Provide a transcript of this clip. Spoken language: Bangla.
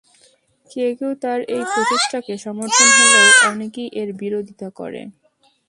কেউ কেউ তার এই প্রচেষ্টাকে সমর্থন হলেও অনেকেই এর বিরোধিতা করে।